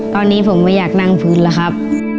ตอนนี้ผมไม่อยากนั่งพื้นแล้วครับ